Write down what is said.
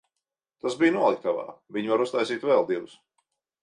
Tas bija noliktavā, viņi var uztaisīt vēl divus.